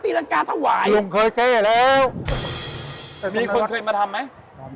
มีคนเคยแก้มาทำไหม